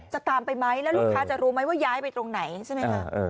ตามไปไหมแล้วลูกค้าจะรู้ไหมว่าย้ายไปตรงไหนใช่ไหมคะ